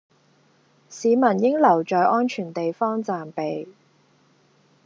市民應留在安全地方暫避